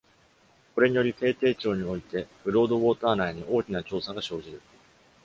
これにより、低低潮においてブロードウォーター内に大きな潮差が生じる。